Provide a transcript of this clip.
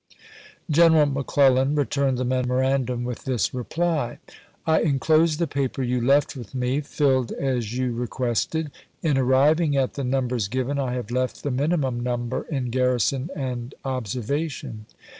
General McClellan returned the memorandum with this reply: I inclose the paper you left with me, filled as you re quested. In arriving at the numbers given, I have left the minimum number in garrison and observation.